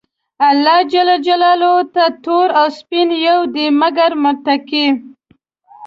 الله ج ته تور او سپين يو دي، مګر متقي.